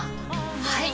はい！